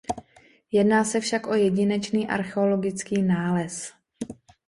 Jedná se však o jedinečný archeologický nález.